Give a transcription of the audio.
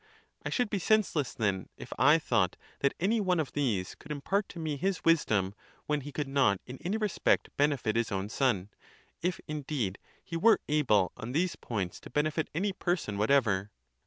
I should be senseless then, if I thought that any one of these could impart to me his wisdom, when he could not in any respect benefit his own son; if indeed he were able on these points to benefit any person whatever.